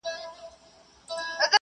نو بهر له محکمې به څه تیریږي !.